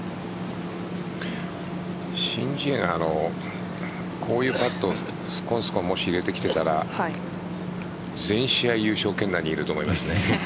申ジエがこういうパットを入れてきていたら全試合優勝圏内にいると思います。